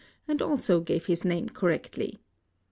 and also gave hU name correctly.